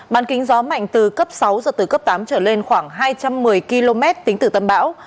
bàn kính gió mạnh từ cấp sáu giật từ cấp tám trở lên khoảng hai trăm một mươi km tính từ tâm bão